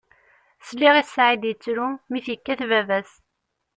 Sliɣ i Saɛid yettru mi t-yekkat baba-s.